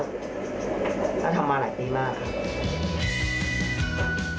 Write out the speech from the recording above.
ส่วนนุ่มนักธุรกิจชาวอำเภอกำแพงแซน